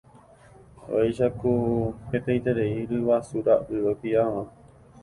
Vaicháku hetaiterei ryguasura'y opiãva.